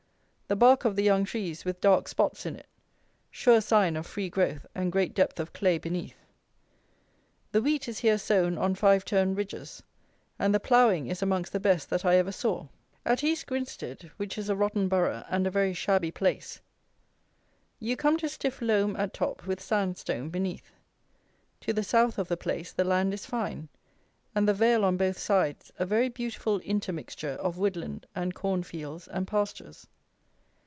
The bark of the young trees with dark spots in it; sure sign of free growth and great depth of clay beneath. The wheat is here sown on five turn ridges, and the ploughing is amongst the best that I ever saw. At East Grinstead, which is a rotten Borough and a very shabby place, you come to stiff loam at top with sand stone beneath. To the south of the place the land is fine, and the vale on both sides a very beautiful intermixture of woodland and corn fields and pastures.